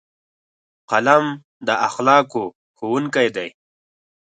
قلم د اخلاقو ښوونکی دی